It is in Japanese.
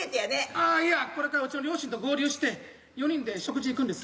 ああいやこれからうちの両親と合流して４人で食事行くんです。